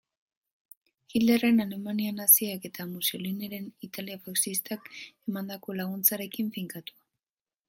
Hitlerren Alemania naziak eta Mussoliniren Italia faxistak emandako laguntzarekin finkatua.